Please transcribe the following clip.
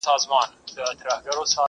ښه پر بدوښه هغه دي قاسم یاره